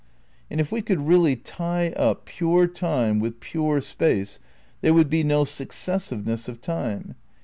And if we could really tie up pure Time with pure Space there would be no successiveness of Time.